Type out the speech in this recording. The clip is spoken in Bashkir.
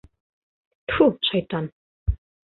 Тфү, шайтан!